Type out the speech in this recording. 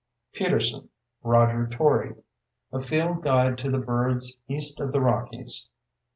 Peterson, Roger Tory. _A Field Guide to the Birds East of the Rockies.